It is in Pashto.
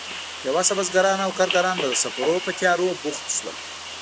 بې وسه بزګران او کارګران به د سفرونو په تيارو بوخت شول.